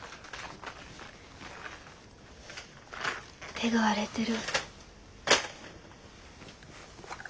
手が荒れてる。